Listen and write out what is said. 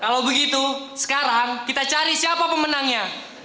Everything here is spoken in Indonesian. kalau begitu sekarang kita cari siapa pemenangnya